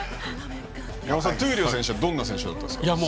山本さん、闘莉王さんはどんな選手だったんですか？